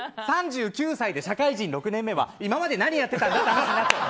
３９歳で社会人６年目は今まで何やってたんだってなっちゃう。